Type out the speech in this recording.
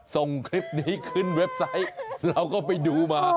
ส่งคลิปนี้ขึ้นเว็บไซต์เราก็ไปดูมา